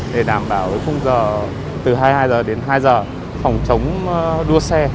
để đảm bảo khung giờ từ hai mươi hai h đến hai h phòng chống đua xe